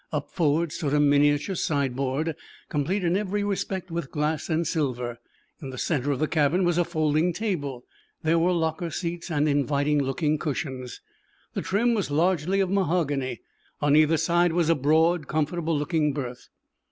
Up forward stood a miniature sideboard, complete in every respect with glass and silver. In the center of the cabin was a folding table. There were locker seats and inviting looking cushions. The trim was largely of mahogany. On either side was a broad, comfortable looking berth.